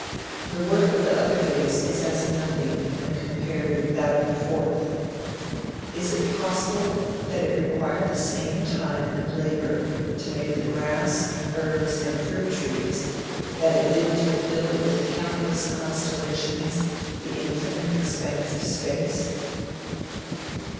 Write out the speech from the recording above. The work of the other days is as nothing when compared with that of the fourth. Is it possible that it required the same time and labor to make the grass, herbs and fruit trees, that it did to fill with countless constellations the infinite expanse of space?